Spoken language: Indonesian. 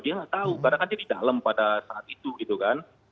dia nggak tahu karena kan dia di dalam pada saat itu gitu kan